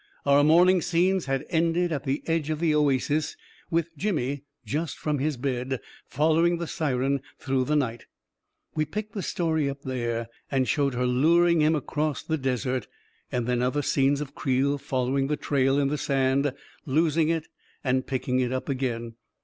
Our morning scenes had ended at the edge of the oasis, with Jimmy, just from his bed, following the siren through the moonlight. We picked the story up there, and showed her luring him across the des ert ; then other scenes of Creel following the trail in the sand, losing it and picking it up again.